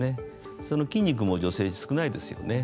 その筋肉も女性は少ないですよね。